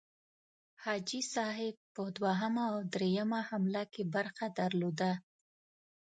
حاجي صاحب په دوهمه او دریمه حمله کې برخه درلوده.